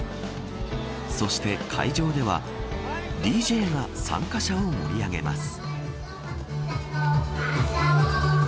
そして会場ではＤＪが参加者を盛り上げます。